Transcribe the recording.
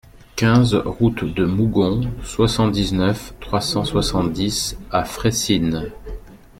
quinze route de Mougon, soixante-dix-neuf, trois cent soixante-dix à Fressines